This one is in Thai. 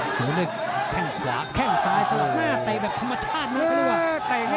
โหแค่งขวาแค่งซ้ายสำหรับหน้าเตะแบบธรรมชาติน้อยก็ด้วยว่ะ